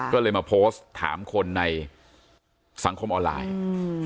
ก็เลยมาโพสต์ถามคนในสังคมออนไลน์อืม